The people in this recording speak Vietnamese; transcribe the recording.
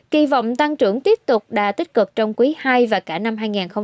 kỳ vọng tăng trưởng tiếp tục đà tích cực trong quý ii và cả năm hai nghìn hai mươi bốn